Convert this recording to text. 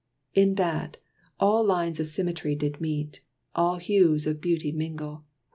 In that, all lines of symmetry did meet All hues of beauty mingle.